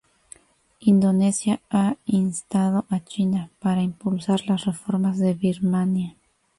Indonesia ha instado a China para impulsar las reformas de Birmania.